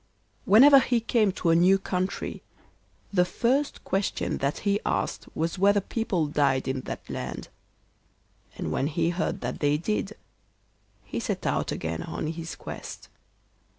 Whenever he came to a new country the first question that he asked was whether people died in that land, and when he heard that they did, he set out again on his quest.